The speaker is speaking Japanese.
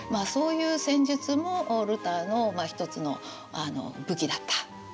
そういう戦術もルターの一つの武器だった。